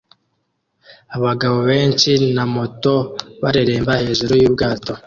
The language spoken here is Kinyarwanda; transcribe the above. Abagabo benshi na moto bareremba hejuru yubwato